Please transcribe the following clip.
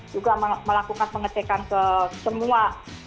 juga melakukan pengecekan ke semua